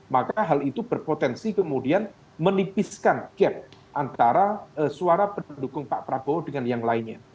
maka hal itu berpotensi kemudian menipiskan gap antara suara pendukung pak prabowo dengan yang lainnya